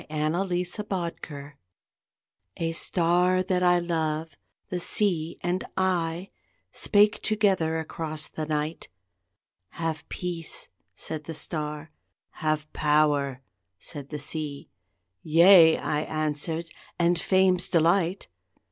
THE WIND'S WORD A star that I love, The sea, and I, Spake together across the night. "Have peace," said the star, "Have power," said the sea; "Yea!" I answered, "and Fame's delight!"